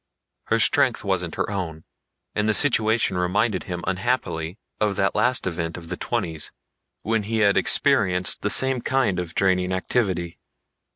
Her strength wasn't her own, and the situation reminded him unhappily of that last event of the Twenties when he had experienced the same kind of draining activity.